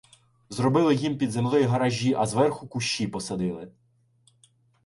Зробили їм під землею "гаражі", а зверху кущі посадили.